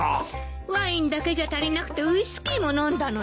ワインだけじゃ足りなくてウイスキーも飲んだのよ。